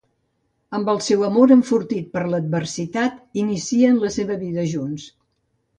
Amb el seu amor enfortit per l'adversitat, inicien la seva vida junts.